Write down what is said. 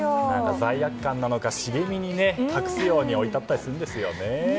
罪悪感なのか茂みに隠すように置いてあったりするんですよね。